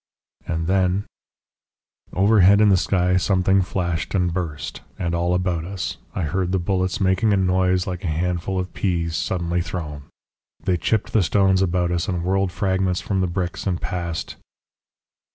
"And then "Overhead in the sky something flashed and burst, and all about us I heard the bullets making a noise like a handful of peas suddenly thrown. They chipped the stones about us, and whirled fragments from the bricks and passed...."